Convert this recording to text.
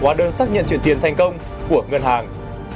hóa đơn xác nhận chuyển tiền thành công của ngân hàng